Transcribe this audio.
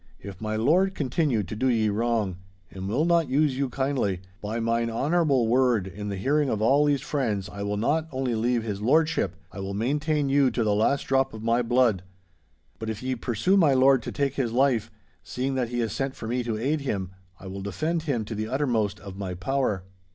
If my lord continue to do ye wrong, and will not use you kindly, by mine honourable word in the hearing of all these friends, I will not only leave his lordship—I will maintain you to the last drop of my blood. But if ye pursue my lord to take his life, seeing that he has sent for me to aid him, I will defend him to the uttermost of my power.